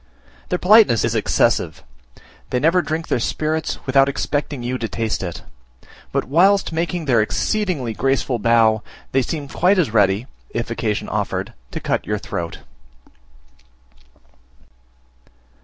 Their politeness is excessive; they never drink their spirits without expecting you to taste it; but whilst making their exceedingly graceful bow, they seem quite as ready, if occasion offered, to cut your throat.